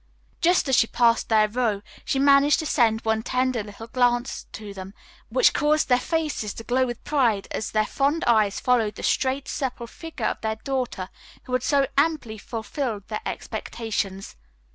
Just as she passed their row she managed to send one tender little glance to them, which caused their faces to glow with pride as their fond eyes followed the straight, supple figure of their daughter who had so amply fulfilled their expectations.